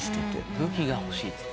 武器が欲しい。